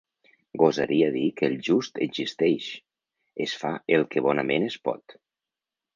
Gosaria dir que el just existeix, es fa el que bonament es pot.